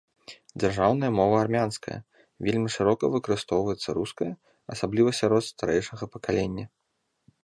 Дзяржаўная мова армянская, вельмі шырока выкарыстоўваецца руская, асабліва сярод старэйшага пакалення.